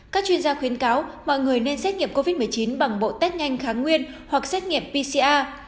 các chuyên gia khuyến cáo mọi người nên xét nghiệm covid một mươi chín bằng bộ test nhanh kháng nguyên hoặc xét nghiệm pcr